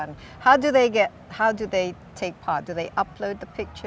alam sekitar di bali